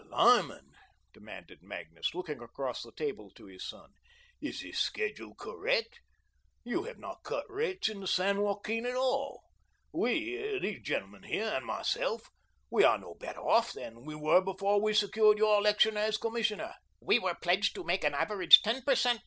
"Why, Lyman," demanded Magnus, looking across the table to his son, "is this schedule correct? You have not cut rates in the San Joaquin at all. We these gentlemen here and myself, we are no better off than we were before we secured your election as commissioner." "We were pledged to make an average ten per cent.